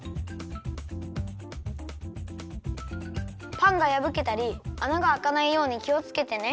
パンがやぶけたりあながあかないようにきをつけてね。